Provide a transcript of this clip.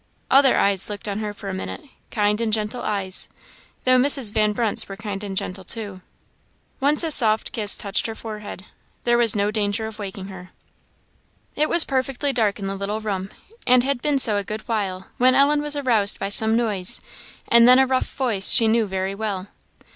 Other eyes looked on her for a minute kind and gentle eyes; though Mrs. Van Brunt's were kind and gentle too; once a soft kiss touched her forehead there was no danger of waking her. It was perfectly dark in the little bedroom, and had been so a good while, when Ellen was aroused by some noise, and then a rough voice she knew very well.